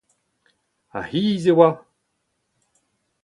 Ar c'hiz e oa.